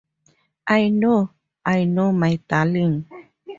I know, I know, my darling.